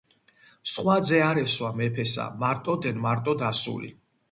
სხვა ძე არ ესვა მეფესა, მართ ოდენ მარტო ასული.